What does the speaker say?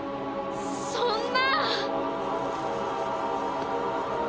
そんな！